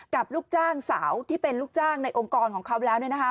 ลูกจ้างสาวที่เป็นลูกจ้างในองค์กรของเขาแล้ว